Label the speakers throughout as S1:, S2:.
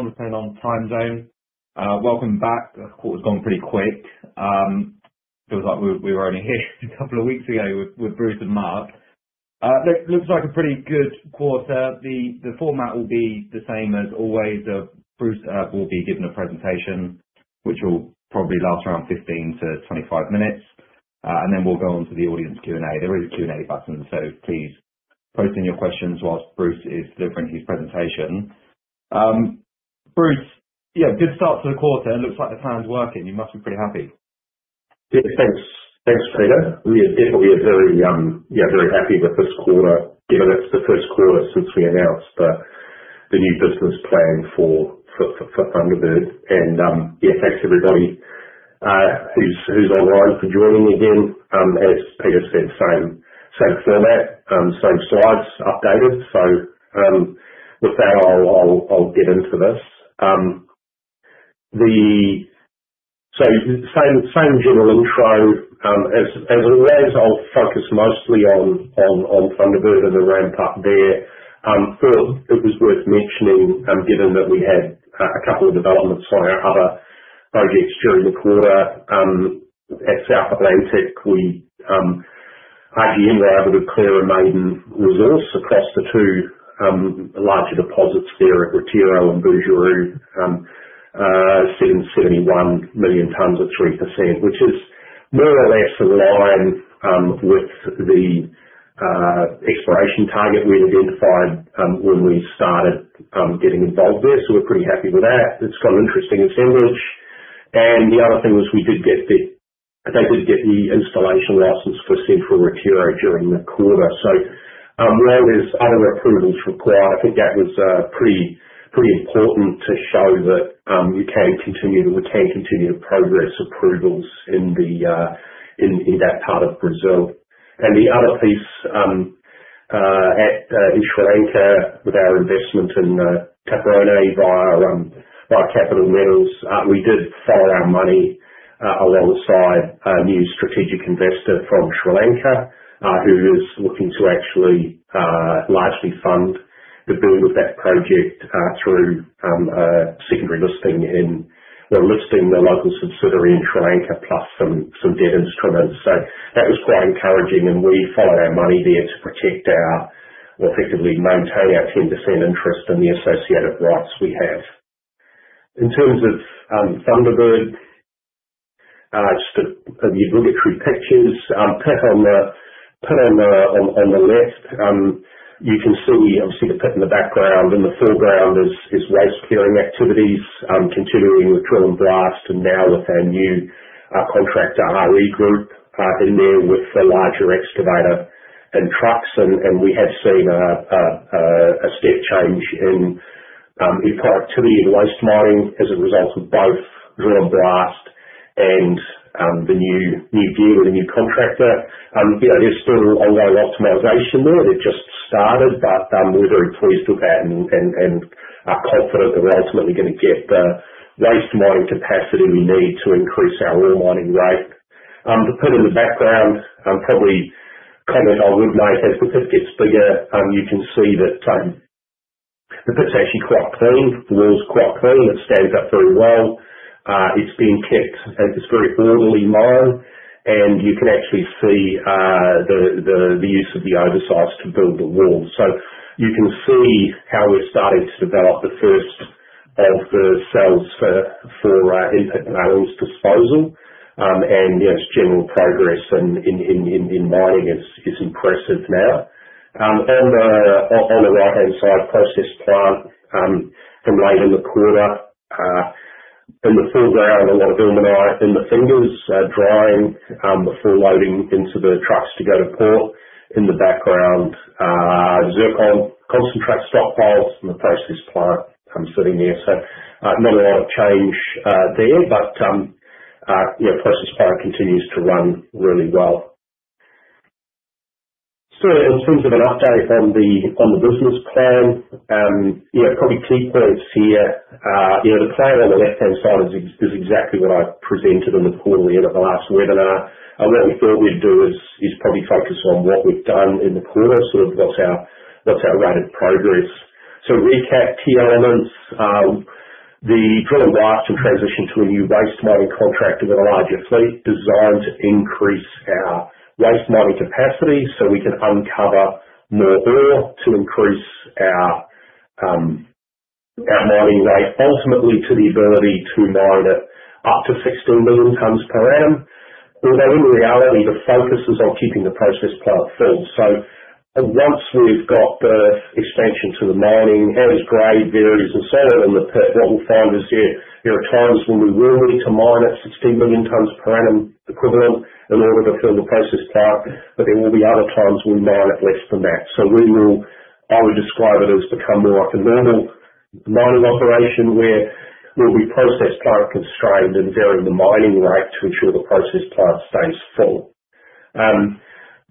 S1: We're returning on time zone. Welcome back. The quarter's gone pretty quick. Feels like we were only here a couple of weeks ago with Bruce and Mark. Looks like a pretty good quarter. The format will be the same as always. Bruce will be giving a presentation, which will probably last around fifteen to twenty-five minutes, and then we'll go on to the audience Q and A. There is a Q and A button, so please post in your questions whilst Bruce is delivering his presentation. Bruce, yeah, good start to the quarter. Looks like the plan's working. You must be pretty happy.
S2: Yeah. Thanks. Thanks, Peter. We are definitely very, yeah, very happy with this quarter, even if it's the first quarter since we announced the new business plan for Thunderbird. Yeah, thanks to everybody who's arrived for joining again. As Peter said, same format, same slides updated. With that, I'll get into this. Same general intro. As it arrives, I'll focus mostly on Thunderbird and the ramp-up there. First, it was worth mentioning, given that we had a couple of developments on our other projects during the quarter, at South Atlantic, we, at the end, were able to clear a maiden resource across the two larger deposits there at Retiro and Bujuru, 771 million tons at 3%, which is more or less in line with the exploration target we identified when we started getting involved with it. We're pretty happy with that. It's got an interesting assemblage. The other thing was we did get the installation license for Central Retiro during the quarter. Where there's other approvals required, I think that was pretty important to show that you can continue, that we can continue the progress of approvals in that part of Brazil. The other piece, in Sri Lanka with our investment in Capital Metals, we did set our money alongside a new strategic investor from Sri Lanka, who is looking to actually largely fund the build of that project through a secondary listing in the local subsidiary in Sri Lanka plus some debt instruments. That was quite encouraging. We fired our money there to protect or effectively maintain our 3% interest and the associated rights we have. In terms of Thunderbird, just as you look at some pictures put on the left, you can see obviously the pit in the background. In the foreground is waste clearing activities, continuing with drill and blast and now with our new contractor RE Group in there with the larger excavator and trucks. We have seen a step change in the productivity of the waste mining as a result of both drill and blast and the new deal with the new contractor. There's still ongoing optimization there. It just started, but we're very pleased with that and are confident that we're ultimately going to get the waste mining capacity we need to increase our ore mining rate. To put in the background, probably a comment I would make is because it gets bigger, you can see that the pit's actually quite clean. The wall's quite clean. It's stayed up very well. It's been kept at its very orderly mile. You can actually see the use of the oversize to build the wall. You can see how we're starting to develop the first of the cells for anything that I need to follow. Yes, general progress in mining is impressive now. The right-hand side, process plant, from later in the quarter, in the foreground, a lot of aluminum in the fingers, drying before loading into the trucks to go to port. In the background, the zircon concentrate stockpiles from the process plant, sitting there. Not a lot of change there, but process plant continues to run really well. In terms of an update on the business plan, probably key points here, the plan on the left-hand side is exactly what I presented on the call at the end of the last webinar. What we thought we'd do is probably focus on what we've done in the quarter, sort of what's our rate of progress. Recap key elements. The drill and blast will transition to a new waste mining contractor with a larger fleet designed to increase our waste mining capacity so we can uncover more ore to increase our mining rate ultimately to the ability to mine up to 16 million tons per annum. Ultimately, the focus is on keeping the process plant full. Once we've got the expansion to the mining, how it's graded varies, et cetera. What we found is there are times when we were ready to mine at 16 million tons per annum equivalent in order to fill the process plant, but there will be other times when we mine at less than that. We will, I would describe it as, become more like a normal mining operation where we'll be process plant constrained and varying the mining rate to ensure the process plant stays full.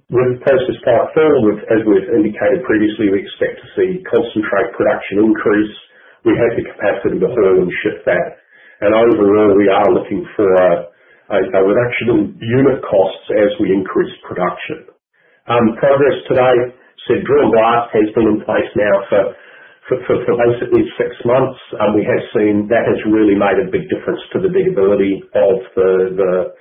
S2: When process plant is full, as we've indicated previously, we expect to see concentrate production increase. We have the capacity to hurdle and shift that. Overall, we are looking for a reduction in unit costs as we increase production. Progress today. Drill and blast has been in place now for basically six months. We have seen that has really made a big difference to the ability of the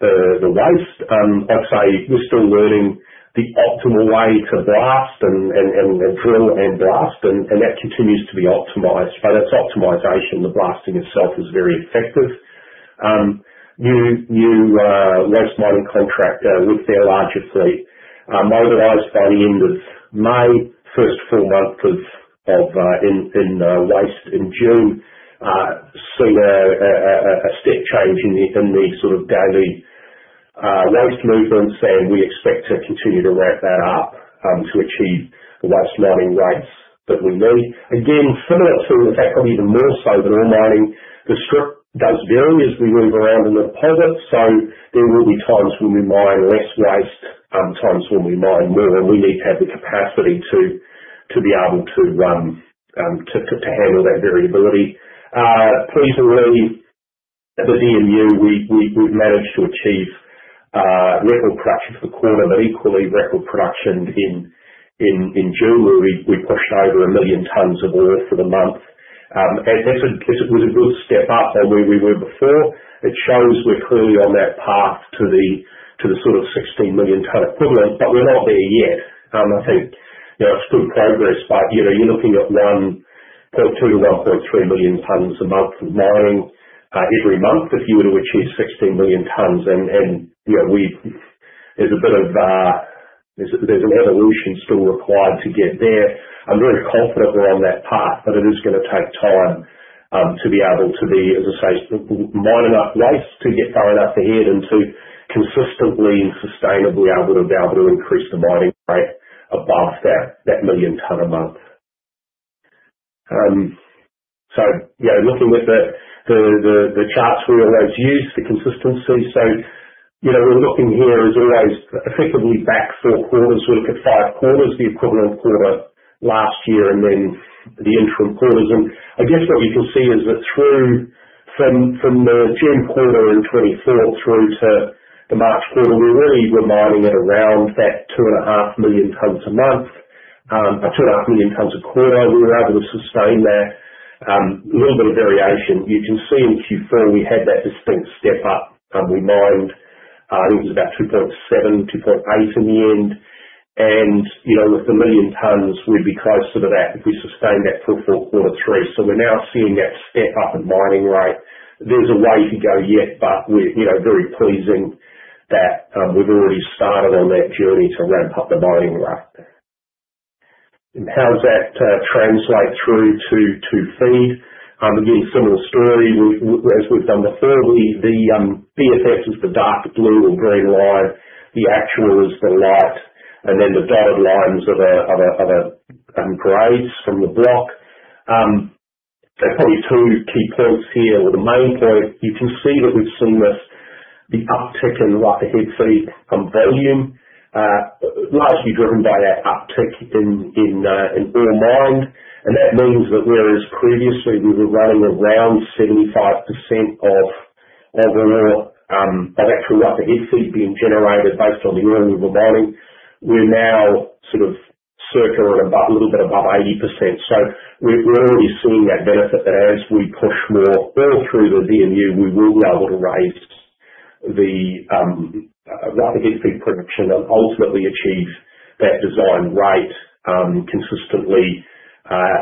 S2: waste. As I say, we're still learning the optimal way to drill and blast. That continues to be optimized, but that's optimization. The blasting itself is very effective. New waste mining contractor with their larger fleet motorized that in with May, first full month of waste in June, seeing a step change in the sort of daily waste movements. We expect to continue to ramp that up to achieve the waste mining rates that we need. Similar to that, but even more so than ore mining, the shift does vary as we move around in the quarter. There will be times when we mine less waste, times when we mine more. We need to have the capacity to be able to handle that variability. Pretty thoroughly within a year, we managed to achieve record production for the quarter, but equally record production in June. We pushed over a million tons of ore for the month, and it was a real step up from where we were before. It shows we're clearly on that path to the sort of 16 million ton equivalent, but we're not there yet. I think it's good progress, but you're looking at 1, 2 or 3 million tons a month of mining every month if you were to achieve 16 million tons. There's a lot of evolution still required to get there. I'm really confident we're on that path, but it is going to take time to be able to be, as I say, sort of mining up waste to get far enough ahead and to consistently and sustainably be able to increase the mining rate above that million ton a month. Looking at the charts we always use, the consistency. We're looking here as always, effectively back four quarters. We look at five quarters, the equivalent quarter last year, and then the interim quarters. What we can see is that from the June quarter in 2024 through to the March quarter, we really were mining at around that 2.5 million tons a month, 2.5 million tons a quarter. We were able to sustain that, a little bit of variation. You can see in Q4 we had that distinct step up. We mined, I think it was about 2.7 million tons-2.8 million tons in the end. With a million tons, we'd be closer to that if we sustained that full four quarter through. We're now seeing that step up in mining rate. There's a way to go yet, but we're very pleased that we've already started on that journey to ramp up the mining rate. How does that translate through to feed? Again, similar story. As we've done before, the first is the dark blue and green line. The actual is the last. The dotted lines are the grades from the block. Probably two key points here with the main point. You can see that we've seen the uptick in lock and heat feed on volume, largely driven by that uptick in ore mining. It means that whereas previously we were running around 75% of our actual lock and heat feed being generated based on the early mining, we're now circling about a little bit above 80%. We're already seeing that benefit that as we push more ore through the B&U, we will be able to raise the lock and heat feed production and ultimately achieve that designed rate consistently,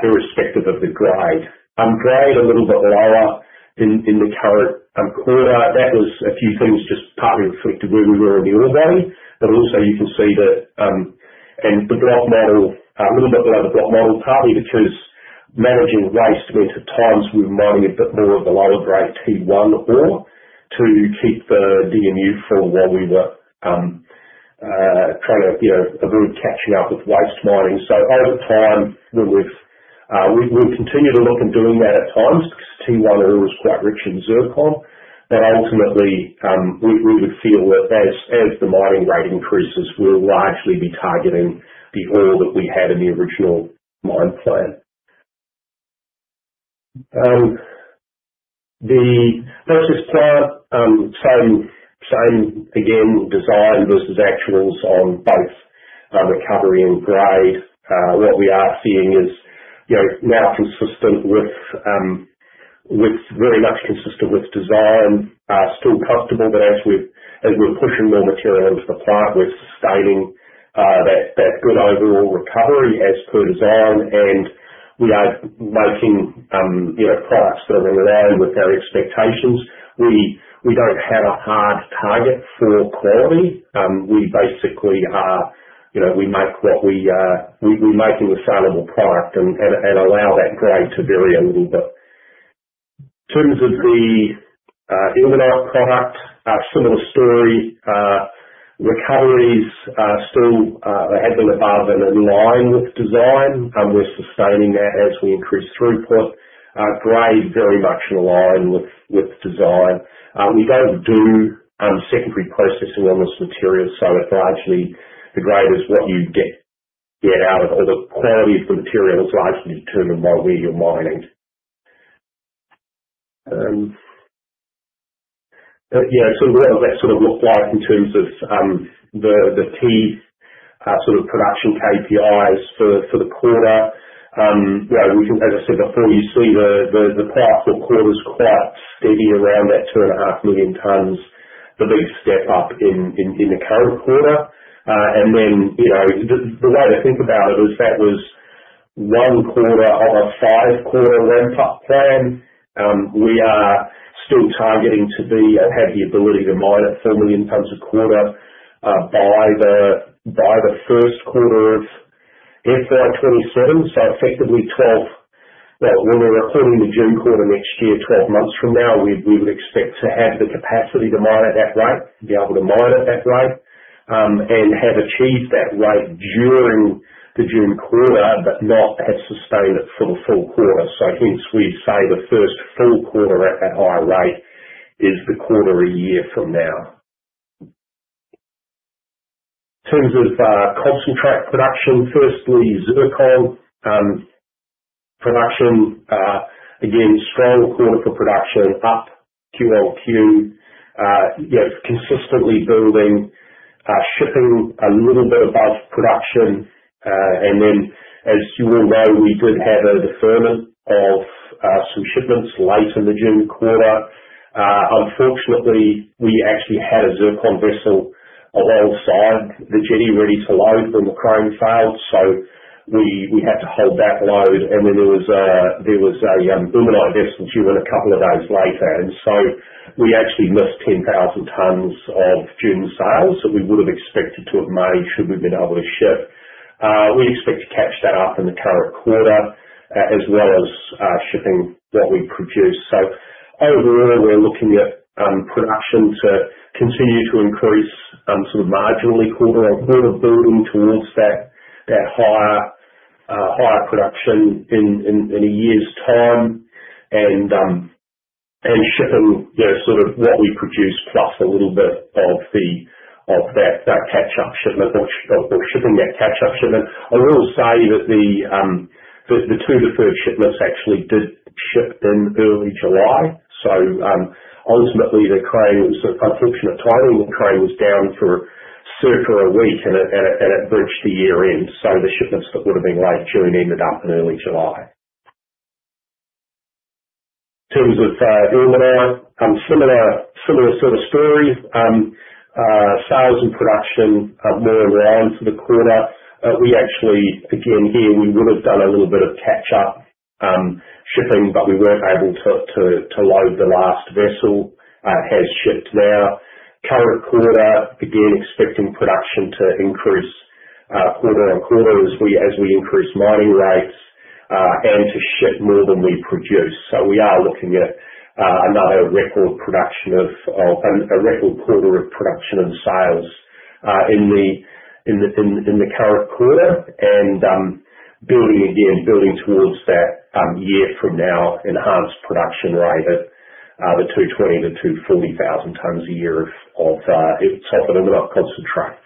S2: irrespective of the grade. Grade is a little bit lower in the current quarter. That was a few things, just partly reflected where we were in the ore mining. Also, you can see that the block mining is a little bit lower, partly because managing waste means at times we're mining a bit more of the lower grade T1 ore to keep the B&U from where we were, kind of catching up with waste mining. Over time, we'll continue to look at doing that at times because T1 ore is quite rich in zircon. Ultimately, we would feel that as the mining rate increases, we'll largely be targeting the ore that we had in the original mine plan. The process plant, same again, the design versus actual on both recovery and grade. What we are seeing is now, for simple, with really much consistent with design, still comfortable that as we're pushing more material into the plant, we're sustaining that good overall recovery as per design. We are making products that are going to land with our expectations. We don't have a hard target for clarity. We basically are making a sellable product and allow that grade to vary a little bit. In terms of the in-and-out products, similar story. Recoveries are still, they have been above and in line with design. We're sustaining that as we increase throughput. Grade very much in line with design. We don't do secondary processing on this material. It's largely the grade is what you get out of it. The quality of the material is largely determined by where you're mining. What does that look like in terms of the key production KPIs for the quarter? As I said before, you see the first quarter's quite steady around that 2.5 million tons, the big step up in the current quarter. The way to think about it is that was one quarter of a five-quarter ramp-up plan. We are still targeting to be and have the ability to mine at 4 million tons a quarter by the first quarter of 2027. Effectively, when we're recording the June quarter next year, 12 months from now, we would expect to have the capacity to mine at that rate, be able to mine at that rate, and have achieved that rate during the June quarter, but not have sustained it for the full quarter. Hence, we say the first full quarter at that higher rate is the quarter a year from now. In terms of concentrate production, firstly, zircon production, again, strong quarter for production up QoQ, consistently building, shipping a little bit above production. As you will know, we did have a deferment of some shipments late in the June quarter. Unfortunately, we actually had a zircon vessel around Farge, the jetty ready to load when the crane failed. We had to fill that load. There was a booming of the vessel due in a couple of days later, and we actually missed 10,000 tons of June sales. We would have expected to have made those sales should we have been able to ship. We expect to catch that up in the current quarter, as well as shipping what we produce. Overall, we're looking at production to continue to increase, marginally quarter by quarter, building towards that higher production in a year's time, and shipping what we produce plus a little bit of that catch-up shipment. We're shipping that catch-up shipment. The two to three shipments actually did ship in early July. Ultimately, the timing of the crane was down for a week and it bridged the year-end. The shipments that would have been laid during ended up in early July. In terms of in-and-out, similar stories. Sales, production, more around for the quarter. We actually, again, here we would have done a little bit of catch-up shipping, but we weren't able to load the last vessel. It has shipped now. Current quarter, again, expecting production to increase quarter on quarter as we increase mining rates, and to ship more than we produce. We are looking at another record quarter of production and sales in the current quarter. Building, again, building towards that year from now, enhanced production rate of the 220,000 tons-240,000 tons a year of, if it's happening enough concentrate.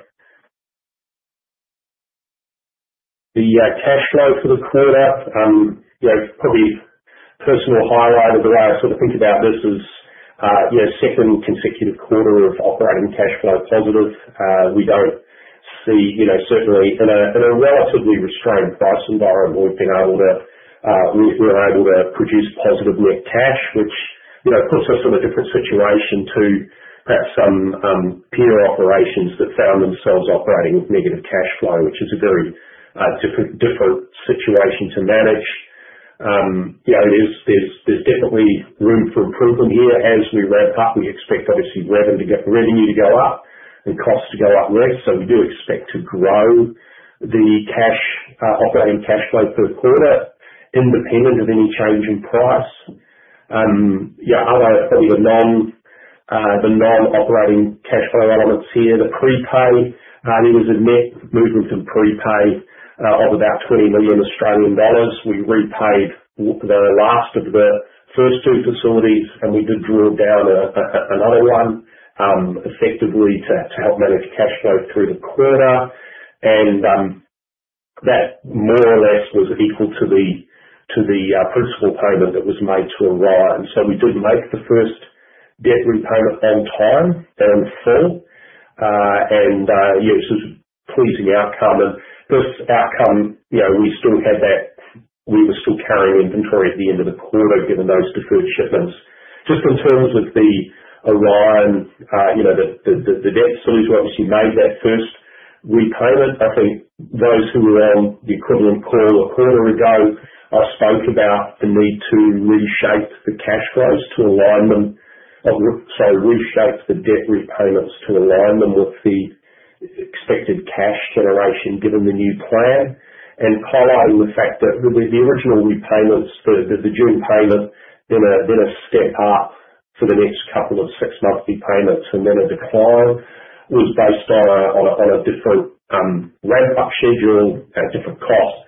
S2: The cash flow for the quarter, yeah, it's probably a personal highlight of the race. I think about this as, you know, second consecutive quarter of operating cash flow positive. We don't see, you know, certainly in a relatively restrained fashion there, and we've been able to, we're able to produce positive work cash, which, you know, puts us in a different situation to perhaps some peer operations that found themselves operating with negative cash flow, which is a very different situation to manage. You know, there's definitely room for improvement here. As we ramp up, we expect obviously revenue to go up and costs to go up with. We do expect to grow the operating cash flow per quarter independent of any change in price. Other than the non-operating cash flow elements here, the prepay, there was a net movement in prepay of about 20 million Australian dollars. We repaid the last of the first two facilities, and we did draw down another one, effectively to help manage cash flow through the quarter. That more or less was equal to the principal payment that was made to Orion. We did make the first debt repayment downtown, downfill. It was a pleasing outcome. This outcome, you know, we still had that we were still carrying inventory at the end of the quarter given those deferred shipments. Just in terms of the Orion, you know, the debt still equal to what we made that first repayment. I think those who were around the equivalent quarter or quarter ago, I spoke about the need to reshape the cash flows to align them, so reshape the debt repayments to align them with the expected cash generation given the new plan. Highlighting the fact that with the original repayments, the June payment, then a step up to the next couple of six-month repayments, and then a decline was based on a different ramp-up schedule at different costs,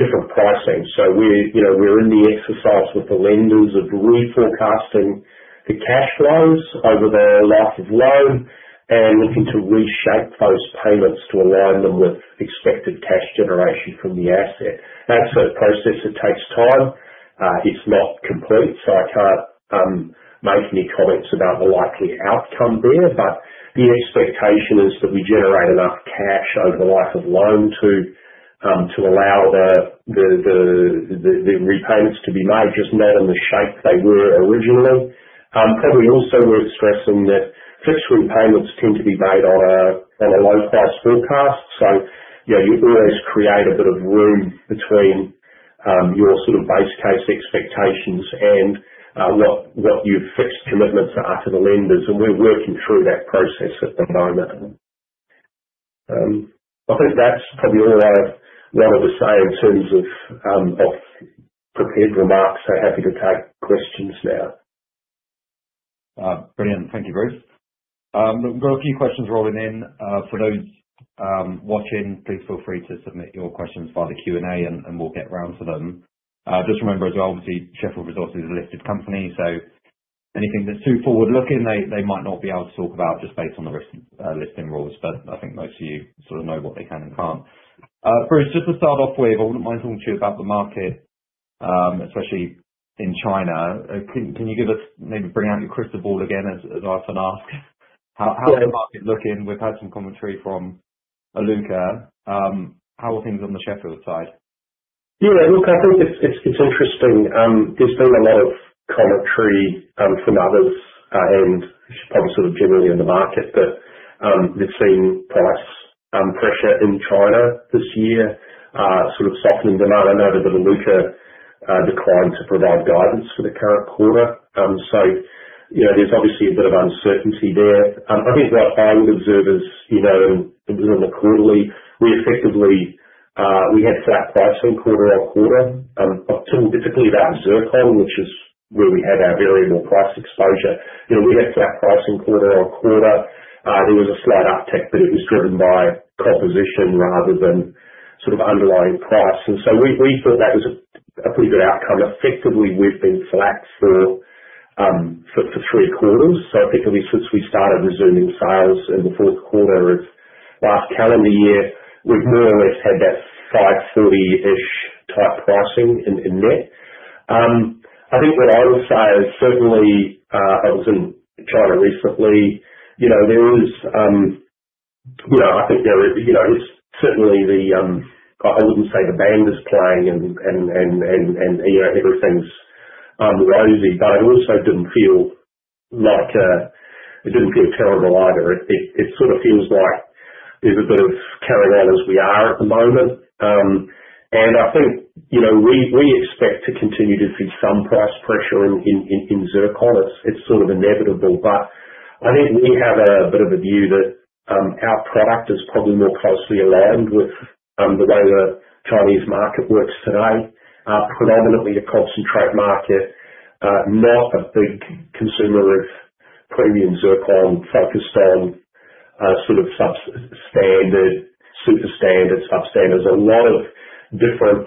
S2: different pricing. We're in the exercise with the lenders of reforecasting the cash flows over the life of loan and looking to reshape those payments to align them with expected cash generation from the asset. As for the process, it takes time. It's not complete. I can't make any comments about the likely outcome there. The expectation is that we generate enough cash over the life of loan to allow the repayments to be made, just not in the shape they were originally. It's probably also worth stressing that fixed repayments tend to be made on a low-cost forecast. You always create a bit of room between your sort of base case expectations and what your fixed commitments are to the lenders. We're working through that process at the moment. I think that's probably all I've got to say in terms of prepared remarks. Happy to take questions now.
S1: Brilliant. Thank you, Bruce. We've got a few questions rolling in. For those watching, please feel free to submit your questions via the Q&A, and we'll get around to them. Just remember as well, obviously, Sheffield Resources is a listed company, so anything that's too forward-looking, they might not be able to talk about just based on the risk, listing rules. I think most of you sort of know what they can and can't. Bruce, just to start off with, I wouldn't mind talking to you about the market, especially in China. Can you give us maybe bring out your crystal ball again as I often ask? How is the market looking? We've had some commentary from Iluka. How are things on the Sheffield side?
S2: Yeah, look, I think it's interesting. There's been a lot of commentary from others, and it's probably sort of generally in the market, but we've seen price pressure in China this year, sort of settling them out. A little bit of an Iluka decline to provide guidance for the current quarter, so there's obviously a bit of uncertainty there. I think what I would observe is, within the quarterly, we effectively had flat pricing quarter on quarter, but still, particularly that zircon, which is where we had our variable price exposure. We had flat pricing quarter on quarter. There was a slight uptick, but it was driven by composition rather than underlying price. We thought that was a pretty good outcome. Effectively, we've been flat for three quarters. Effectively, since we started resuming sales in the fourth quarter of last calendar year, we've more or less had that 530 type pricing in net. I think what I will say is certainly, it wasn't trying to recently, you know, I think there are, you know, it's certainly the, I wouldn't say the band is playing and everything's rosy. I also didn't feel terrible either. It sort of feels like there's a bit of coming out as we are at the moment. I think we expect to continue to see some price pressure in zircon. It's sort of inevitable. I think we have a bit of a view that our product is probably more closely aligned with the way the Chinese market works today, predominantly a concentrate market, not a big consumer of premium zircon, sulfur stone, sort of standard superstandard stuff. There's a lot of different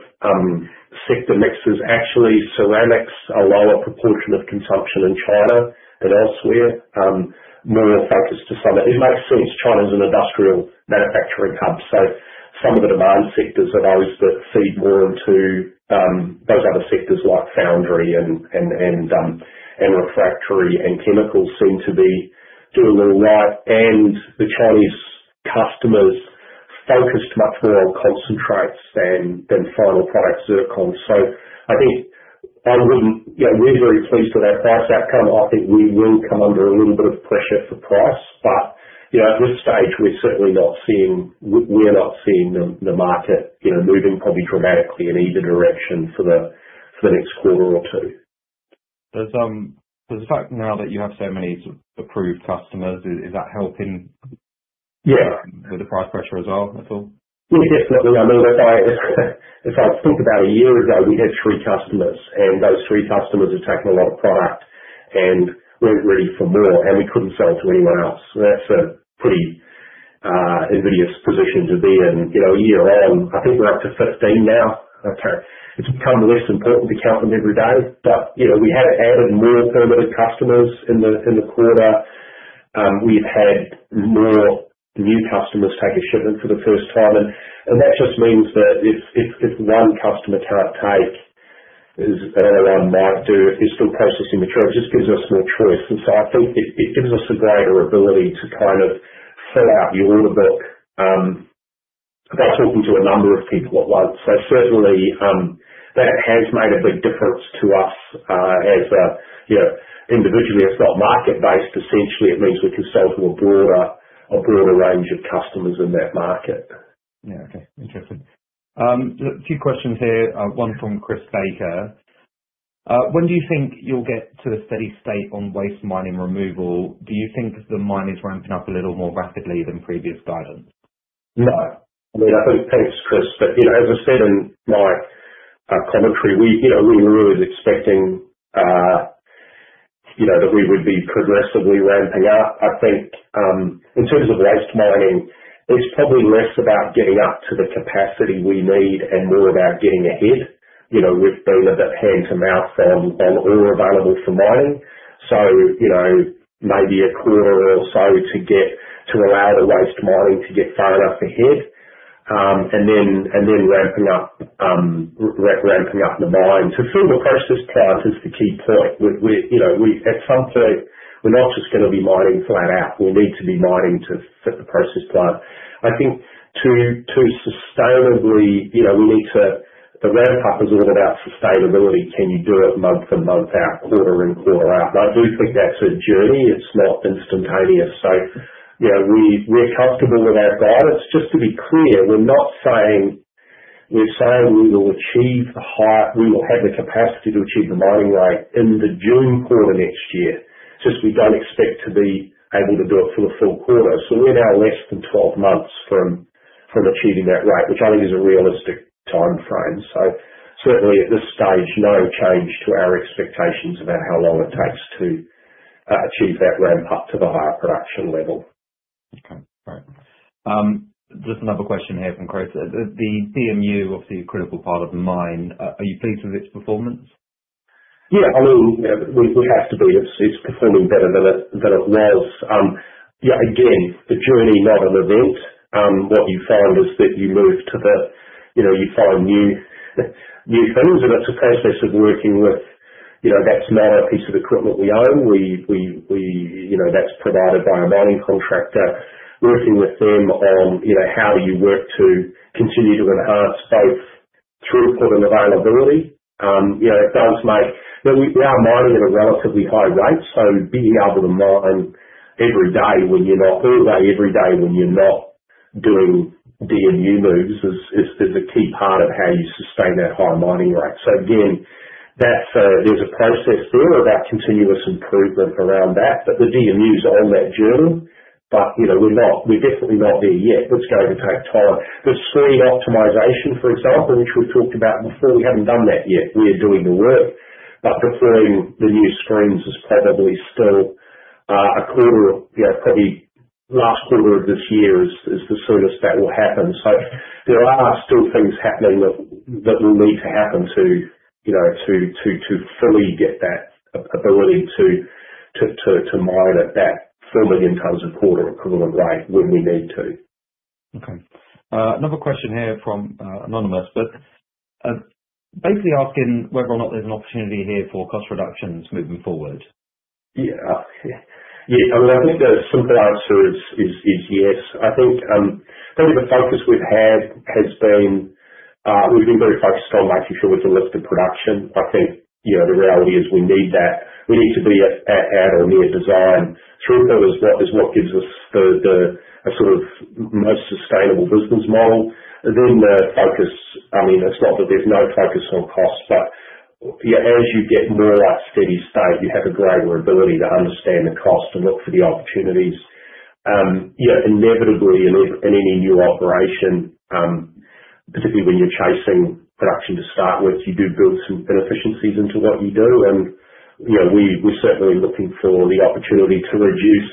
S2: sector mixtures. Actually, ceramics are a lower proportion of consumption in China than elsewhere, more focused to some of it. It makes sense China is an industrial manufacturing hub. Some of the demand sectors are those that feed more into those other sectors like foundry and refractory and chemicals seem to be doing all that. The Chinese customers focus much more on concentrates than final product zircon. I think I wouldn't, you know, we're very pleased with our past outcome. I think we will come under a little bit of pressure for price, but at this stage, we're certainly not seeing the market moving probably dramatically in either direction for the next quarter or two.
S1: The fact now that you have so many approved customers, is that helping?
S2: Yeah.
S1: With the price pressure as well?
S2: I mean, I'll say it's about a year ago, we had three customers. Those three customers had taken a lot of product and weren't ready for more, and we couldn't sell it to anyone else. That's a pretty invidious position to be in. A year in, I think we're up to 15 now. It's become the least important to count them every day, but we had added more permitted customers in the quarter. We've had more new customers taking shipment for the first time, and that just means that it's just one customer to uptake that are around now. They're still processing material. It just gives us more truth, and I think it gives us a greater ability to kind of sell out a little bit. That's what we do, a number of people at once. Certainly, that has made a big difference to us. Individually, it's not market-based. Essentially, it means we can sell to a broader range of customers in that market.
S1: Yeah. Okay. Interesting. A few questions here. One from Chris Baker. When do you think you'll get to a steady state on waste mining removal? Do you think the miners will open up a little more rapidly than previous guidance?
S2: No. I mean, I think [post-COVID], as I said in my commentary, we were really expecting that we would be progressively ramping up. I think in terms of waste mining, it's probably less about getting up to the capacity we need and more about getting ahead with building a bit of hand-to-mouth and ore available for mining. Maybe a quarter or so to allow the waste mining to get far enough ahead, and then ramping up the mine. Through the process plants is the key point. At some point, we're not just going to be mining flat out. We need to be mining to fit the process plants. I think to sustainably, we need to—the ramp-up is all about sustainability. Can you do it month in, month out, quarter in, quarter out? I do think that's a journey. It's not instantaneous. We're comfortable about that. Just to be clear, we're saying we will achieve the high—we will have the capacity to achieve the mining rate in the June quarter next year. We just don't expect to be able to do it for the full quarter. We're now less than 12 months from achieving that rate, which I think is a realistic timeframe. Certainly at this stage, no change to our expectations about how long it takes to achieve that ramp-up to the higher production level.
S1: Okay. Great. Just another question here from Chris. The B&U, obviously a critical part of the mine. Are you pleased with its performance?
S2: Yeah. I know we have to be. It's performing better than it was. You know, again, the journey not on the roof, that you found is that you move to the, you know, you find new tools. It's a process of working with, you know, that's not a piece of equipment we own. That's provided by a mining contractor. Working with them on how you work to continue to enhance both throughput and availability. It does mean that we are mining at a relatively high rate. Being able to mine every day when you're not, or every day when you're not doing B&U moves, is the key part of how you sustain that high mining rate. There's a process there about continuous improvement around that. The B&U is on that journey. We're definitely not there yet. Let's go to that point. The spring optimization, for example, which we talked about before, we haven't done that yet. We're doing the work. The spring is probably still a quarter, probably last quarter of this year is the soonest that will happen. There are still things happening that will need to happen to fully get that ability to mine at that 4 million tons a quarter equivalent rate when we need to.
S1: Okay, another question here from Anonymous, basically asking whether or not there's an opportunity here for cost reductions moving forward.
S2: Yeah. Yeah. Yeah. I think the simple answer is yes. I think probably the focus we've had has been, we've been very focused on actually forward to lifted production. I think, you know, the reality is we need that. We need to be at a newer design throughput is what gives us the sort of most sustainable business model. The focus, I mean, it's not that there's no focus on cost, but, you know, as you get more up to steady state, you have a greater ability to understand the cost and look for the opportunities. You know, inevitably, in any new operation, particularly when you're chasing production to start with, you do build some inefficiencies into what you do. We're certainly looking for the opportunity to reduce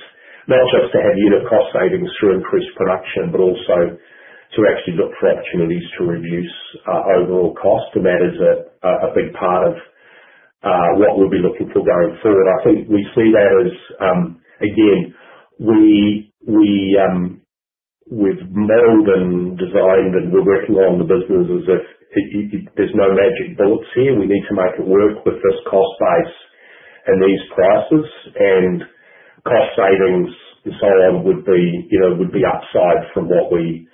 S2: not just to have unit cost savings through increased production, but also to actually look for opportunities to reduce overall cost. That is a big part of what we'll be looking for going forward. I think we see that as, again, we've meddled in design, and we're working on the business as if there's no magic bullets here. We need to make it work with this cost base and these prices. Cost savings, if they're able to be, you know, would be outside from what we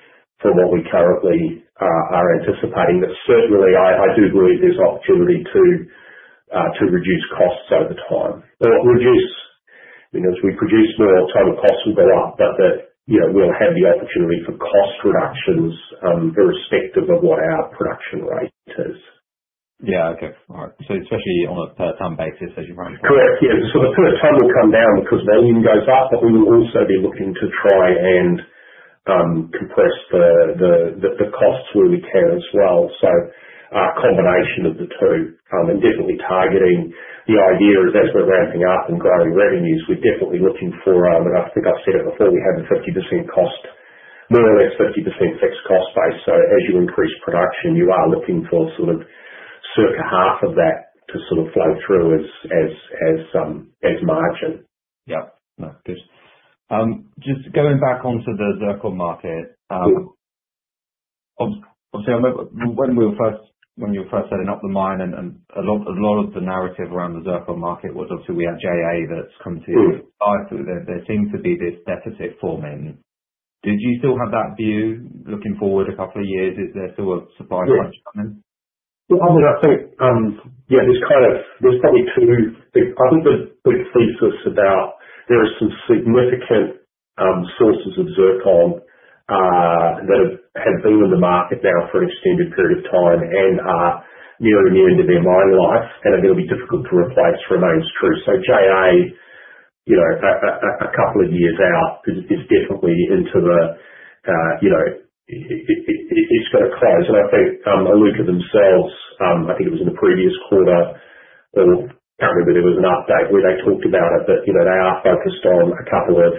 S2: for what we currently are anticipating. Certainly, I do believe there's an opportunity to reduce costs over time. Or reduce. I mean, as we produce more and total costs will be up, but that, you know, we'll have the opportunity for cost reductions, irrespective of what our production rate is.
S1: Okay. All right. Especially on a per-ton basis as you're ramping up.
S2: Correct. Yeah. The per-ton will come down because volume goes up, but we'll also be looking to try and compress the costs where we can as well. A combination of the two, and definitely targeting the idea is as we're ramping up and growing revenues, we're definitely looking for, and I think I said it before, we have a 50% cost, more or less 50% fixed cost base. As you increase production, you are looking for sort of circa half of that to sort of flow through as margin.
S1: Yeah, no, good. Just going back onto the zircon market, when you were first setting up the mine, a lot of the narrative around the zircon market was obviously we had JA that's come to you with supply. There seemed to be this deficit forming. Do you still have that view looking forward a couple of years? Is there still a supply change?
S2: Yeah. I mean, I think there's probably two things. I think the big thesis about there are some significant sources of zircon that have been in the market now for an extended period of time and are nearing the end of their mine life, and are going to be difficult to replace remains true. JA, you know, a couple of years out because it's definitely into the, you know, it's going to close. I think Iluka themselves, I think it was in the previous quarter, there was apparently an update where they talked about it, but, you know, they are focused on a couple of,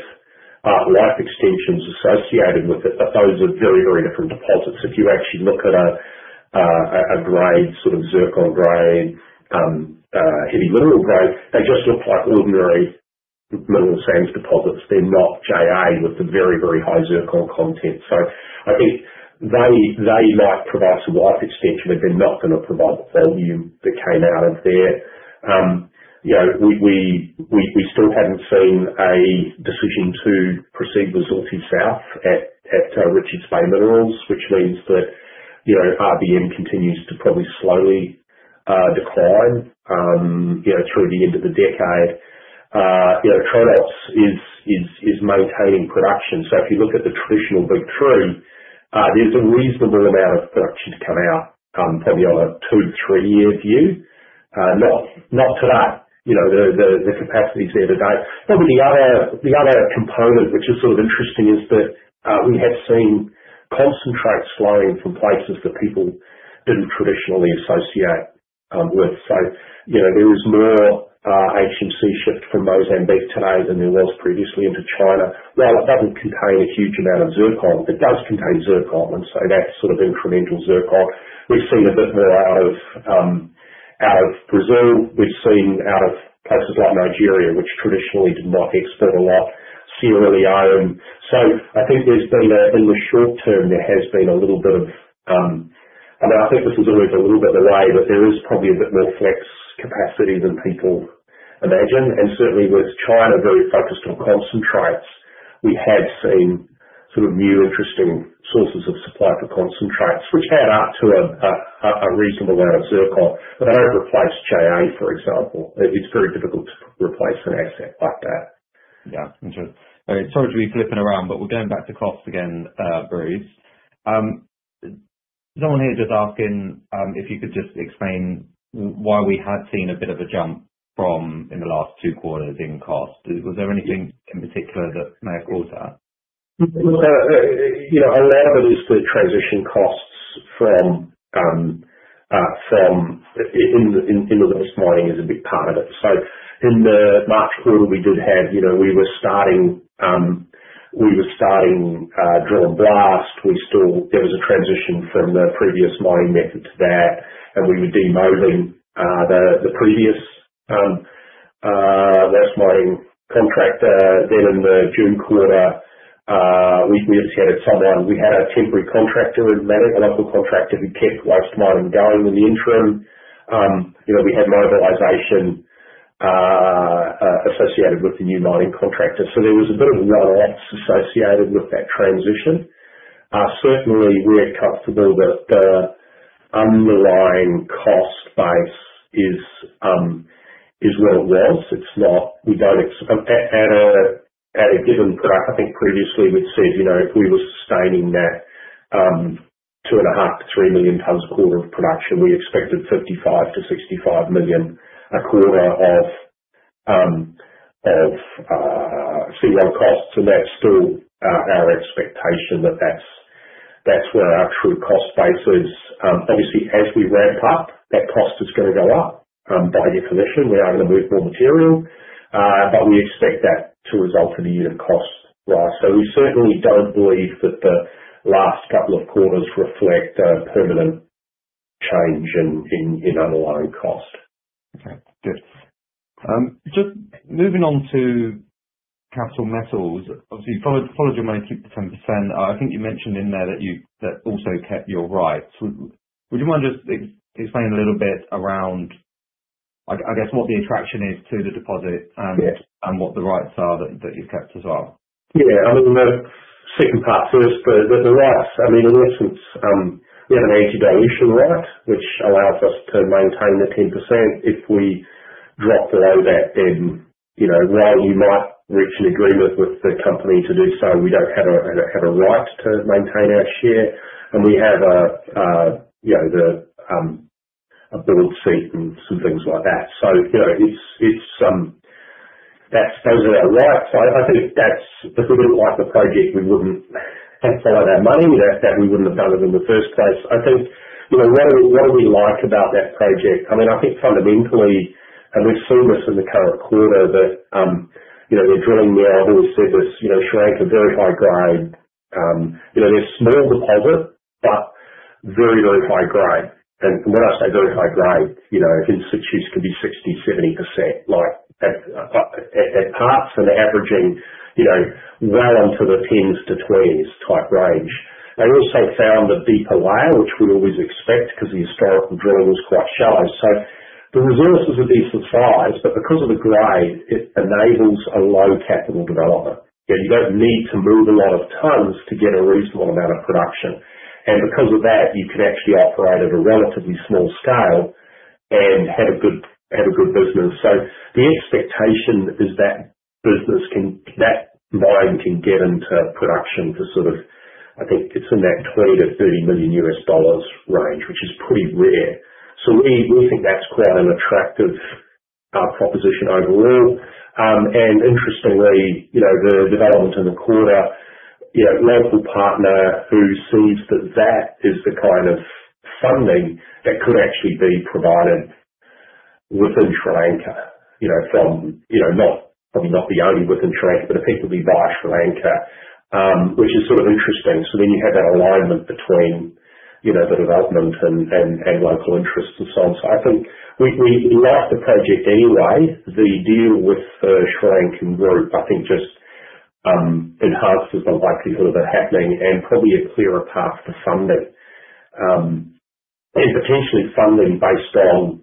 S2: without extensions associated with it, but those were very, very different deposits. If you actually look at a grade sort of zircon grade, heavy mineral grade, they just look like ordinary mineral sands deposits. They're not JA with the very, very high zircon content. I think they might provide some life extension, but they're not going to provide the volume that came out of there. You know, we still haven't seen a decision to proceed resorting south at Richards Bay Minerals, which means that, you know, RBM continues to probably slowly decline through the end of the decade. You know, Tronox is maintaining production. If you look at the traditional big three, there's a reasonable amount of production to come out, probably on a two, three-year view. Not for that. You know, the capacity is there today. The other component, which is sort of interesting, is that we have seen concentrates flowing from places that people didn't traditionally associate with. So, you know, there is more HMC shipped from Mozambique today than there was previously into China. Now, it doesn't contain a huge amount of zircon. It does contain zircon. That sort of incremental zircon. We've seen a bit more out of Brazil. We've seen out of parts of Nigeria, which traditionally did not export a lot. Similarly, I am. I think there's been, in the short term, a little bit of, and I think this will do a little bit in the way, but there is probably a bit more flex capacity than people imagine. Certainly with China very focused on concentrates, we have seen sort of new interesting sources of supply for concentrates, which add up to a reasonable amount of zircon. They don't replace JA, for example. It's very difficult to replace an asset like that.
S1: Yeah. Okay. Sorry to be flipping around, but we're going back to cost again, Bruce. Someone here just asking if you could just explain why we had seen a bit of a jump in the last two quarters in cost. Was there anything in particular that may have caused that?
S2: A lot of it is the transition cost from even in the waste mining is a big part of it. In the March quarter, we did have, you know, we were starting, we were starting drill and blast. There was a transition from the previous mining method to that. We were demoting the previous waste mining contractor during the June quarter. We just had a turnaround. We had a temporary contractor in, and that's a contractor that kept waste mining going in the interim. We had mobilization associated with the new mining contractor. There was a bit of run-offs associated with that transition. Certainly, we're comfortable that the underlying cost base is where it was. It's not, we don't at a given product. I think previously, we'd said if we were sustaining that 2.5 million tons-3 million tons a quarter of production, we expected 55 million-65 million a quarter of C1 costs. That's still our expectation that that's where our true cost base is. Obviously, as we ramp up, that cost is going to go up, by definition. We are going to move more material. We expect that to result in a unit cost rise. We certainly don't believe that the last couple of quarters reflect a permanent change in underlying cost.
S1: Okay. Good. Just moving on to Capital Metals. Obviously, you've covered the top of your main 10%. I think you mentioned in there that you also kept your rights. Would you mind just explaining a little bit around, I guess, what the attraction is to the deposit and what the rights are that you've kept as well?
S2: Yeah. I mean, we're not super passive with the routes. I mean, unless it's, we have an 80-day issue route, which allows us to maintain the 10%. If we walk around that, then, you know, route, we might reach an agreement with the company to do so. We don't have a, I don't have a right to maintain our share. We have the ability and some things like that. Those are our routes. I think if that's, if we didn't like the project, we wouldn't have to pay all that money. We'd ask that we wouldn't have done it in the first place. I think, you know, what do we, what do we like about that project? I mean, I think fundamentally, and we've seen this in the current quarter, that the drilling route, we've seen this, shreds of very high grade. There's more than ever, but very, very high grade. When I say very high grade, in situations could be 60%, 70% like at parts and averaging, well into the pins to threes type range. Also found with deeper well, which we'd always expect because the drilling is quite shallow. The resources would be surprised, but because of the grade, it enables a low capital development. You don't need to move a lot of tons to get a reasonable amount of production. Because of that, you could actually operate at a relatively small scale and have a good business. The expectation is that business can, that mine can get into production to sort of, I think it's in that $20 million-$30 million range, which is pretty rare. We think that's quite an attractive proposition overall. Interestingly, the development in the quarter, we have a partner who sees that that is the kind of funding that could actually be provided within Sri Lanka, not the only within Sri Lanka, but if people buy Sri Lanka, which is sort of interesting. You have that alignment between the development and local interests and so on. I think we like the project anyway. The deal with the Sri Lankan group, I think, just enhances the likelihood of that happening and probably a clearer path to funding, and potentially funding based on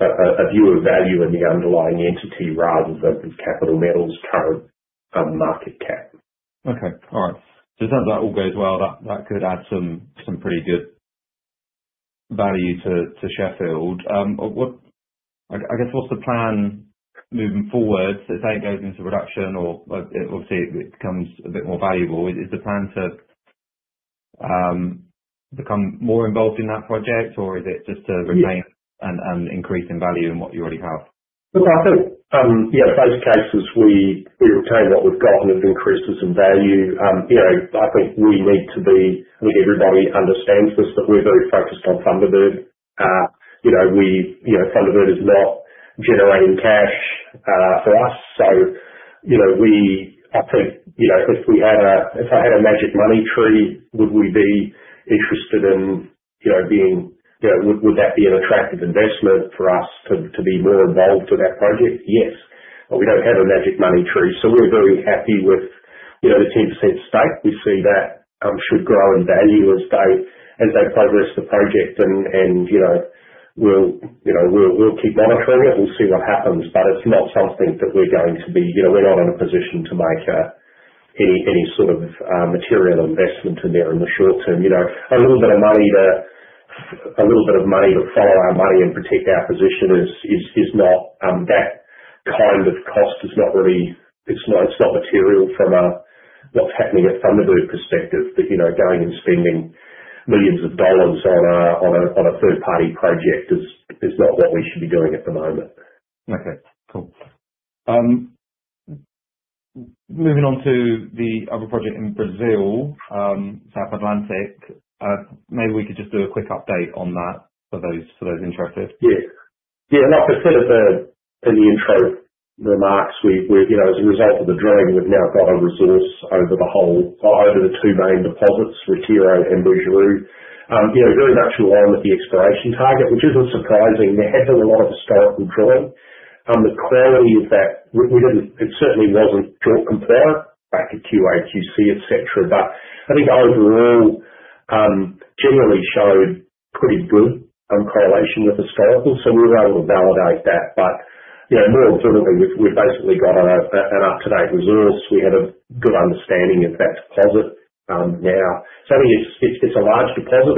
S2: a view of value in the underlying entity rather than the Capital Metals current market cap.
S1: Okay. All right. It sounds like all goes well, that could add some pretty good value to Sheffield. What I guess, what's the plan moving forward? If that goes into production or obviously it becomes a bit more valuable, is the plan to become more involved in that project, or is it just to retain and increase in value in what you already have?
S2: Okay. I think, yeah, both cases we retain what we've got and increase in value. I think everybody understands this, but we're very focused on Thunderbird. Thunderbird is not generating cash for us. If I had a magic money tree, would we be interested in, you know, would that be an attractive investment for us to be more involved with that project? Yes. But we don't have a magic money tree. We're very happy with the 10% stake. We see that should grow in value as they progress the project. We'll keep monitoring it. We'll see what happens. It's not something that we're going to be, we're not in a position to make any sort of material investment in there in the short term. A little bit of money to follow our money and protect our position is not, that kind of cost is not really, it's not material from a Thunderbird perspective. Going and spending millions of dollars on a third-party project is not what we should be doing at the moment.
S1: Okay. Cool. Moving on to the other project in Brazil, South Atlantic, maybe we could just do a quick update on that for those interested.
S2: Yeah. Like I said in the intro remarks, we've, you know, as a result of the drilling, we've now got a resource over the whole, or over the two main deposits, Retiro and Bujuru. Very much around with the exploration target, which isn't surprising. There hasn't been a lot of historical drilling. The quality of that, we didn't, it certainly went with drilling for that back at QAQC, etc. I think overall, generally showed pretty good correlation with historical. We were able to validate that. More importantly, we've basically got an up-to-date resource. We had a good understanding of that deposit now, so I think it's a large deposit.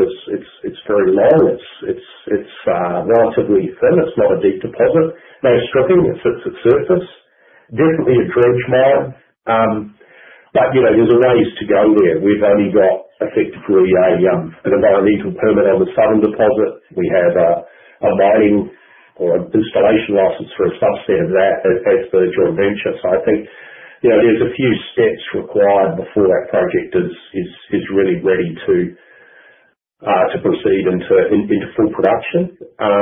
S2: It's very low. It's relatively thin. It's not a deep deposit. No stripping. It sits at surface. Definitely a bridge now. There are ways to go there. We've only got effectively about an equal permanent with Southern deposit. We have a mining or an installation office for a subset of that. No place for us to venture. I think there are a few steps required before that project is really ready to proceed into full production. I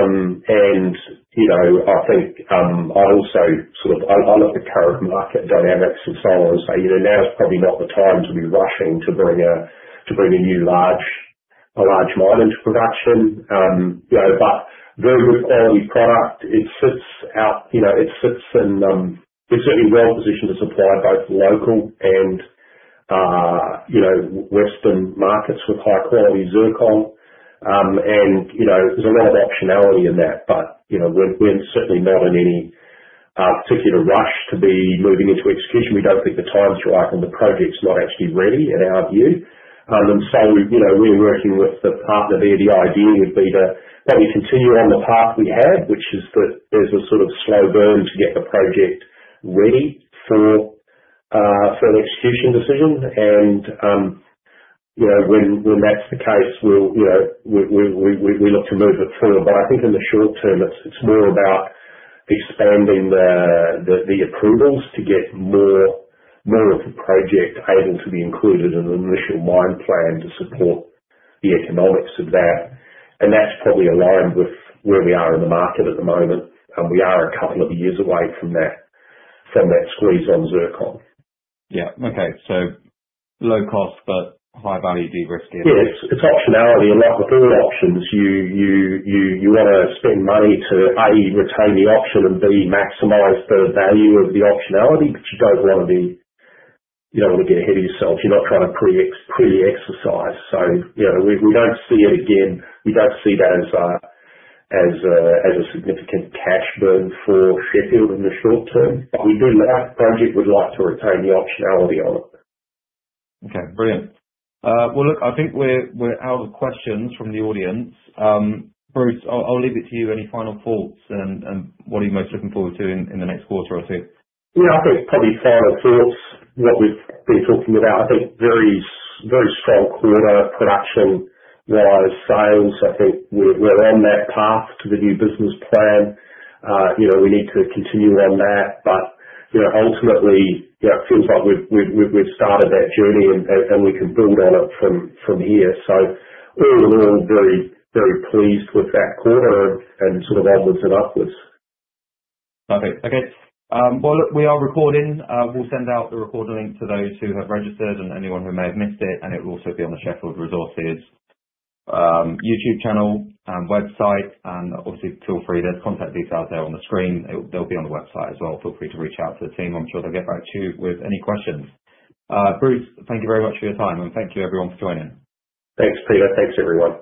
S2: also sort of look at the current market dynamics and say now is probably not the time to be rushing to bring a new large mine into production. The value product, it sits out, you know, it sits in, it's certainly well positioned to supply both local and western markets with high-quality zircon. There is a lot of optionality in that. We're certainly not in any particular rush to be moving into execution. We don't think the times are right when the project's not actually ready in our view. We're working with the partner there. The idea would be to probably continue around the path we have, which is that there's a sort of slow burn to get the project ready for an execution decision. When that's the case, we'll look to move it through. I think in the short term, it's more about expanding the approvals to get more of the project able to be included in the initial mine plan to support the economics of that. That's probably aligned with where we are in the market at the moment. We are a couple of years away from that squeeze on zircon.
S1: Okay, low cost but high value derisking.
S2: Yeah. It's optionality and lack of other options. You want to spend money to, A, retain the action and, B, maximize the value of the optionality. You don't want to get ahead of yourselves. You're not trying to pre-exercise. We don't see it again. We don't see that as a significant cash burn for Sheffield in the short term. We do love the project. We'd like to retain the optionality on it.
S1: Okay. Brilliant. I think we're out of questions from the audience. Bruce, I'll leave it to you. Any final thoughts? What are you most looking forward to in the next quarter or two?
S2: I think it's probably the final thoughts that we've been talking about. I think very, very strong quarter production via sales. I think we're on that path to the new business plan. We need to continue on that. Ultimately, it seems like we've started that journey and we can build on it from here. I think we're all very, very pleased with that quarter and onwards and upwards.
S1: Perfect. Okay, we are recording. We'll send out the recording link to those who have registered and anyone who may have missed it. It will also be on the Sheffield Resources YouTube channel and website. Obviously, feel free. There's contact details there on the screen. They'll be on the website as well. Feel free to reach out to the team. I'm sure they'll get back to you with any questions. Bruce, thank you very much for your time. Thank you, everyone, for joining.
S2: Thanks, Peter. Thanks, everyone.